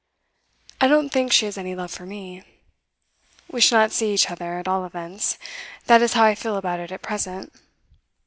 I don't think she has any love for me. We shall not see each other; at all events, that is how I feel about it at present.